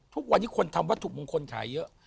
ทุกวันนี้คนทำวัตถุมงคลขายเยอะ